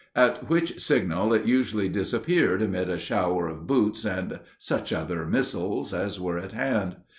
at which signal it usually disappeared amid a shower of boots and such other missiles as were at hand.